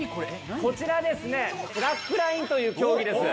こちらですねスラックラインという競技です。